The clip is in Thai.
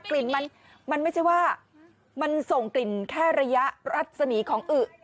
กลิ่นมันไม่ใช่ว่ามันส่งกลิ่นแค่ระยะรัศมีของอึ